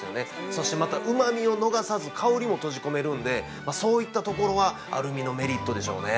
そしてまた、うまみを逃さず香りも閉じ込めるんでそういったところはアルミのメリットでしょうね。